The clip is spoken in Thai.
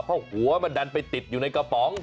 เพราะหัวมันดันไปติดอยู่ในกระป๋อง